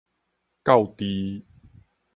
到佇